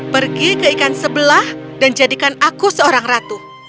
pergi ke ikan sebelah dan jadikan aku seorang ratu